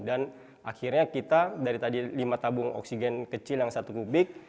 dan akhirnya kita dari tadi lima tabung oksigen kecil yang satu kubik